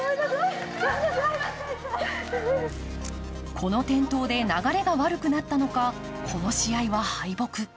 この転倒で流れが悪くなったのか、この試合は敗北。